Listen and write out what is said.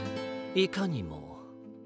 いかにも。